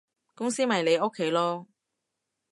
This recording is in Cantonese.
公司咪你屋企囉